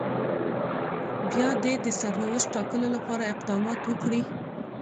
بيا دې د سرنوشت ټاکلو لپاره اقدامات وکړي.